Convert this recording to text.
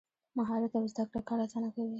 مهارت او زده کړه کار اسانه کوي.